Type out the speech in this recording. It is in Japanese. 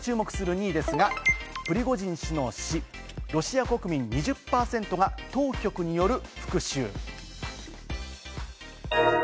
注目する２位ですが、プリゴジン氏の死、ロシア国民２０％が当局による復讐。